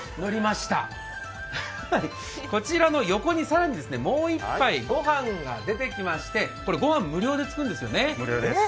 こちらの横にさらにもう一杯御飯が出てきましてこれご飯無料でつくんですよね。